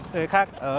thế khác ở